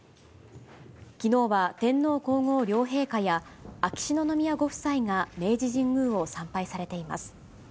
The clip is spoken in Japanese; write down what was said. きのうは天皇皇后両陛下や秋篠宮ご夫妻が明治神宮を参拝されています。